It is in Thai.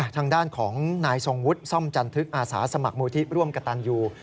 ทางด้านของนายทรงวุฒิซ่อมจันทึกอาสาสมัครมูลที่ร่วมกับตันยู